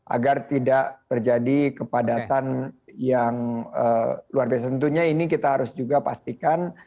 agar tidak terjadi kepadatan yang luar biasa tentunya ini kita harus juga pastikan